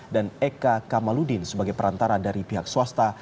dan eka kamaludin sebagai perantara dari pihak swasta